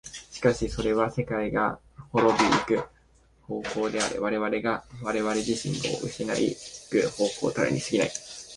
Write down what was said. しかしそれは世界が亡び行く方向であり、我々が我々自身を失い行く方向たるに過ぎない。